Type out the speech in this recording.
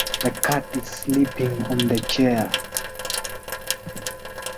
The spirit of this assembly was shown in the closing resolutions adopted.